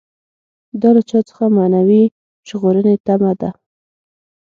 دا له چا څخه معنوي ژغورنې تمه ده.